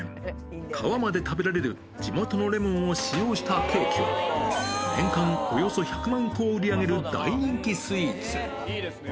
皮まで食べられる地元のレモンを使用したケーキは、年間およそ１００万個を売り上げる大人気スイーツ。